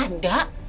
mau nempatin kok